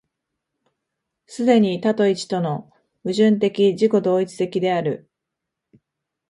既に多と一との矛盾的自己同一的である。